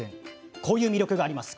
こういう魅力があります。